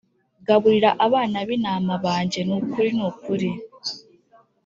gaburira abana b intama banjye Ni ukuri ni ukuri